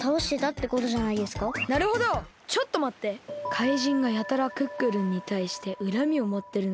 怪人がやたらクックルンにたいしてうらみをもってるのって。